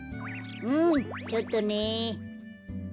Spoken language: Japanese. うんちょっとね。